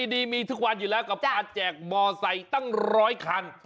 ดีมีทุกวันอยู่แล้วกับการแจกมอไซค์ตั้งร้อยคัน